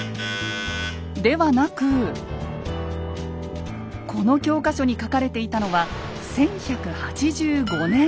ではなくこの教科書に書かれていたのは１１８５年。